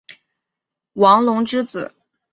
王隆之子。